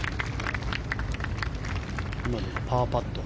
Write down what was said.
今のがパーパット。